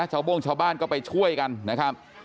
โบ้งชาวบ้านก็ไปช่วยกันนะครับ